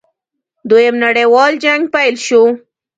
دویم نړیوال جنګ پیل شو.